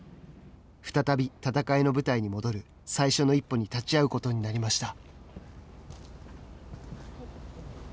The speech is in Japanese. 再び戦いの舞台に戻る最初の一歩に立ち会うことになりました。